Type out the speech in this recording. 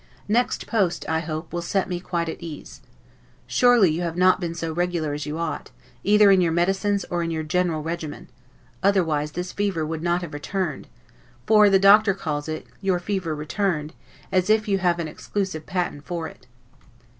Next post, I hope, will set me quite at ease. Surely you have not been so regular as you ought, either in your medicines or in your general regimen, otherwise this fever would not have returned; for the Doctor calls it, YOUR FEVER RETURNED, as if you had an exclusive patent for it.